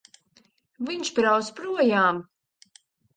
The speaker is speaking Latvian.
Viņš brauc projām!